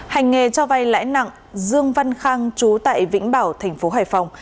hành nghề cho vay lãi nặng dương văn khang trú tại vĩnh bảo tp hải phòng